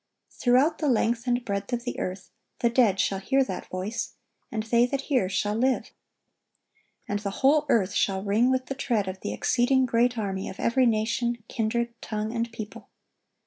Throughout the length and breadth of the earth, the dead shall hear that voice; and they that hear shall live. And the whole earth shall ring with the tread of the exceeding great army of every nation, kindred, tongue, and people.